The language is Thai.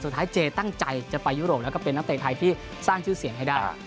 เจตั้งใจจะไปยุโรปแล้วก็เป็นนักเตะไทยที่สร้างชื่อเสียงให้ได้